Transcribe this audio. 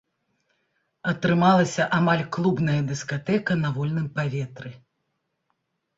Атрымалася амаль клубная дыскатэка на вольным паветры.